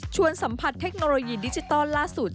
สัมผัสเทคโนโลยีดิจิทัลล่าสุด